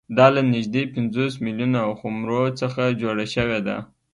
دا له نږدې پنځوس میلیونه خُمرو څخه جوړه شوې ده